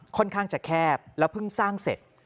ค่อนข้างจะแคบแล้วเพิ่งสร้างเสร็จ